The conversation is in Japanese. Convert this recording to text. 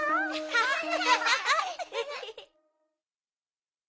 アハハハ！